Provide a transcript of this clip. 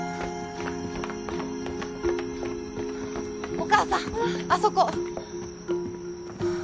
お母さんあそこ！